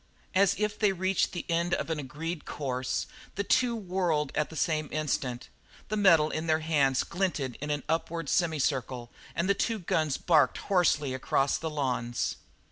As if they reached the end of an agreed course, the two whirled at the same instant, the metal in their hands glinted in an upward semicircle, and two guns barked hoarsely across the lawns.